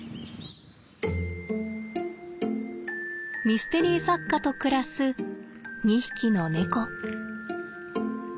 ミステリー作家と暮らす２匹の猫。